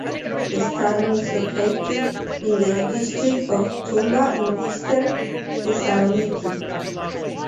The stadium is located in the district of Toumba in eastern Thessaloniki.